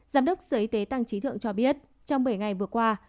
giám đốc sở y tế tăng trí thượng cho biết trong bảy ngày vừa qua